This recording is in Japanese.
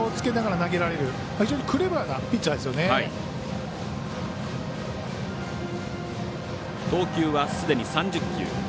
投球はすでに３０球。